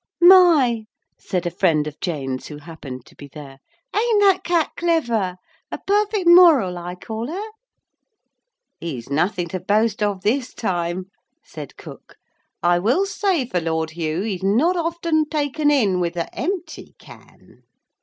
'My!' said a friend of Jane's who happened to be there, 'ain't that cat clever a perfect moral, I call her.' 'He's nothing to boast of this time,' said cook. 'I will say for Lord Hugh he's not often taken in with a empty can.'